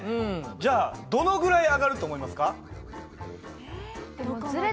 じゃあどのぐらい上がると思いますか？